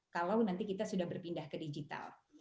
kalau nanti kita sudah berpindah ke digital